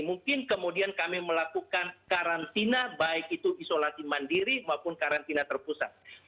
mungkin kemudian kami melakukan karantina baik itu isolasi mandiri maupun karantina terpusat